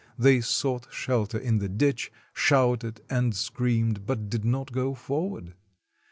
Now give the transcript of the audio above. They sought shelter in the ditch, shouted and screamed, but did not go forward.